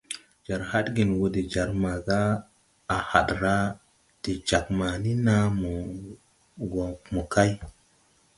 Jar hadgen wɔ de jar maga à had raa de jag mani naa mo wɔ mokay.